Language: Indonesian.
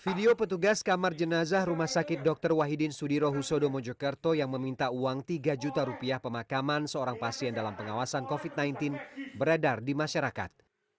video petugas kamar jenazah rumah sakit dr wahidin sudirohusodo mojokerto yang meminta uang tiga juta rupiah pemakaman seorang pasien dalam pengawasan covid sembilan belas beredar di masyarakat